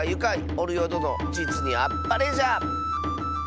おるよどのじつにあっぱれじゃ！